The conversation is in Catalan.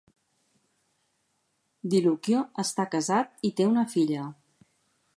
DiLucchio està casat i té una filla.